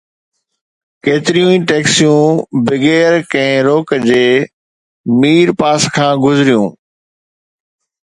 ڪيتريون ئي ٽئڪسيون بغير ڪنهن روڪ جي مير پاس کان گذريون